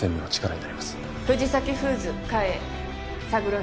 はい。